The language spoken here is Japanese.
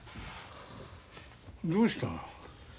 どうした？